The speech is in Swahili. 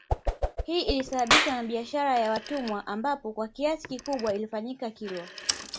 Hii ilisababishwa na bishara ya watumwa ambapo kwa kiasi kikubwa ilifanyika Kilwa